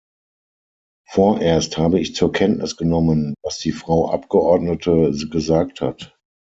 Vorerst habe ich zur Kenntnis genommen, was die Frau Abgeordnete gesagt hat.